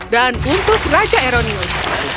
dan untuk raja eronius